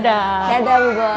da dah bu bos